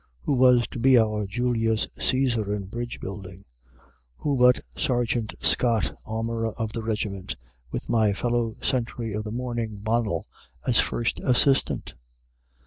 Who was to be our Julius Cæsar in bridge building? Who but Sergeant Scott, Armorer of the Regiment, with my fellow sentry of the morning, Bonnell, as First Assistant?